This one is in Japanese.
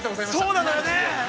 ◆そうなのよね。